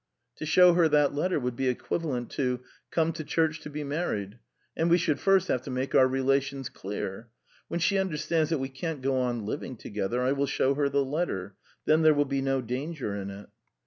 "To show her that letter would be equivalent to 'Come to church to be married.' And we should first have to make our relations clear. When she understands that we can't go on living together, I will show her the letter. Then there will be no danger in it."